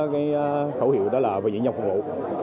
cái khẩu hiệu đó là về diễn nhân phục vụ